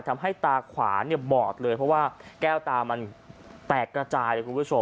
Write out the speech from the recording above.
ทำให้ตาขวาบอดเลยเพราะว่าแก้วตามันแตกระจาย